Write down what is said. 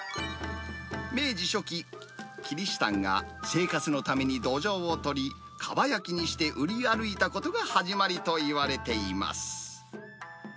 明治初期、キリシタンが生活のためにドジョウを取り、かば焼きにして売り歩いたことが始まりといわれています。